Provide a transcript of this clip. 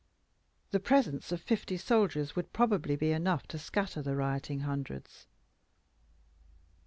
The presence of fifty soldiers would probably be enough to scatter the rioting hundreds.